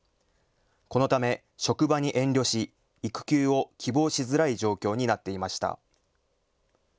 このため職場に遠慮し育休を希望しづらい状況になっていました。